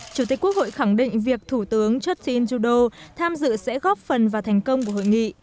chủ tịch quốc hội khẳng định việc thủ tướng justin trudeau tham dự sẽ góp phần vào thành công của hội nghị